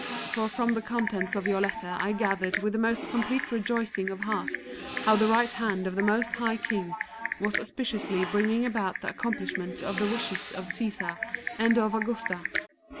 For from the contents of your letter I gathered with the most complete rejoicing of heart how the right hand of the Most High King was auspiciously bringing about the accomplishment of the wishes of Caesar and of Augusta.